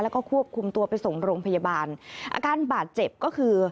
แล้วก็ควบคุมตัวไปส่งโรงพยาบาลอาการบาดเจ็บก็คือ